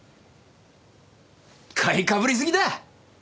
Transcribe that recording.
買いかぶりすぎだ！